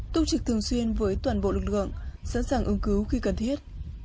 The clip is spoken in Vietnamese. túc trực thường xuyên với toàn bộ lực lượng sẵn sàng ứng cứu khi cần thiết